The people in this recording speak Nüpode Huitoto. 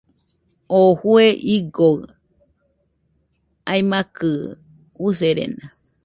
Oo jue igoɨ aimakɨ userena.